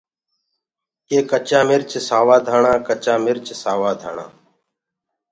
ڪي ڪچآ مرچ سآوآ ڌآڻآ ڪچآ مرچ سوآ ڌآڻآ۔